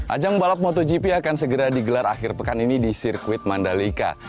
ajang balap motogp akan segera digelar akhir pekan ini di sirkuit mandalika